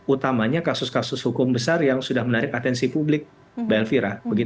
utamanya kasus kasus hukum besar yang sudah menarik atensi publik mbak elvira